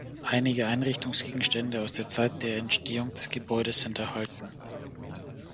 Einige Einrichtungsgegenstände aus der Zeit der Entstehung des Gebäudes sind erhalten.